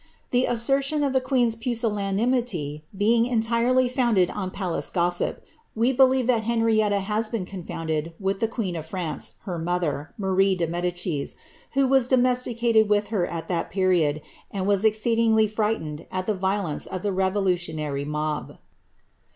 The assertion of the queen's pusillanimity being entirely founded on palace gossip, we believe that Henrietta has been confounded with the queen of France, her mother, Marie de Medicis, who was domesticated with her at that period, and was exceedingly frightened at the violence of the revolutionary mob.